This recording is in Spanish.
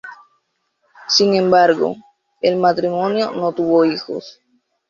Sin embargo, el matrimonio no tuvo hijos.